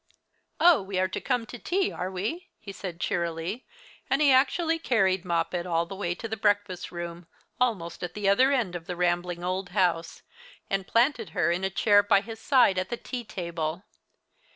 "Oh, we are to come to tea, are we?" he said, cheerily, and he actually carried Moppet all the way to the breakfast room, almost at the other end of the rambling old house, and planted her in a chair by his side at the tea table.